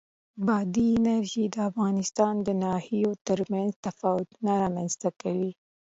بادي انرژي د افغانستان د ناحیو ترمنځ تفاوتونه رامنځ ته کوي.